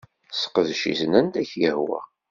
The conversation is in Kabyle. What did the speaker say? Sseqdec-iten anda k-yehwa.